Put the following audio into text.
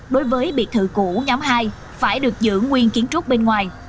đối với biệt thự cũ nhóm hai phải được giữ nguyên kiến trúc bên ngoài